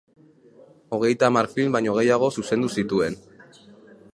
Hogeita hamar film baino gehiago zuzendu zituen.